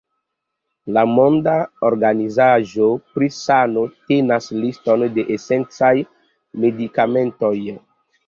La Monda Organizaĵo pri Sano tenas liston de esencaj medikamentoj.